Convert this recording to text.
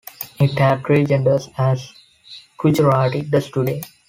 It had three genders as Gujarati does today.